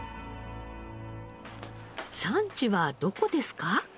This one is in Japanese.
産地はどこですか？